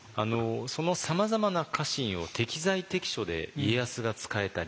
そのさまざまな家臣を適材適所で家康が使えた理由